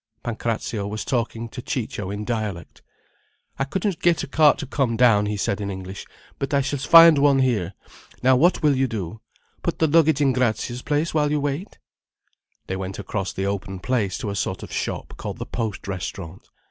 Pancrazio was talking to Ciccio in dialect. "I couldn't get a cart to come down," he said in English. "But I shall find one here. Now what will you do? Put the luggage in Grazia's place while you wait?—" They went across the open place to a sort of shop called the Post Restaurant.